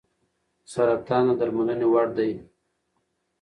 سرطان د درملنې وړ دی.